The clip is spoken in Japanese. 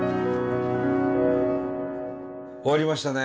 終わりましたね。